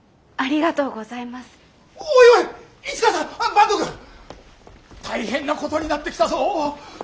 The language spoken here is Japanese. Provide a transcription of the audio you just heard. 坂東くん！大変なことになってきたぞ。